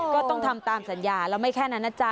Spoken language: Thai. ก็ต้องทำตามสัญญาแล้วไม่แค่นั้นนะจ๊